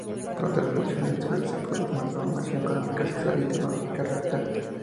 Durante la Revolución Industrial se produjo una transformación económica, social y tecnológica radical.